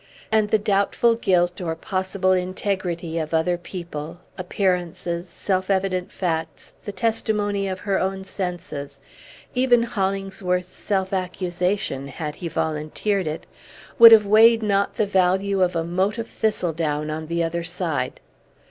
And the doubtful guilt or possible integrity of other people, appearances, self evident facts, the testimony of her own senses, even Hollingsworth's self accusation, had he volunteered it, would have weighed not the value of a mote of thistledown on the other side.